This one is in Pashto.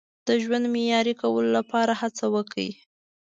د ژوند معیاري کولو لپاره هڅه وکړئ.